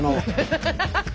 ハハハハハ！